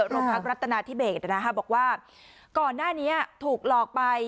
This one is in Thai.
รมพักรัฐนาทิเบตนะคะบอกว่าก่อนหน้านี้ถูกหลอกไป